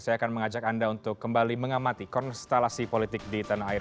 saya akan mengajak anda untuk kembali mengamati konstelasi politik di tanah air